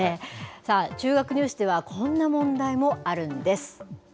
さあ、中学入試では、こんな問題もあるんです。